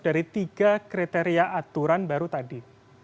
dari tiga kriteria aturan baru tadi